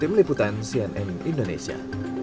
tim liputan cnn indonesia